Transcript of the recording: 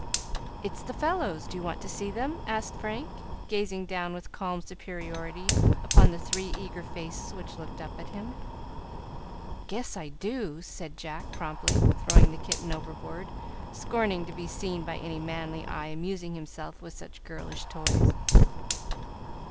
"It's the fellows; do you want to see them?" asked Frank, gazing down with calm superiority upon the three eager faces which looked up at him. "Guess I do!" and Jack promptly threw the kitten overboard, scorning to be seen by any manly eye amusing himself with such girlish toys.